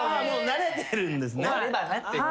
慣れてるんですね。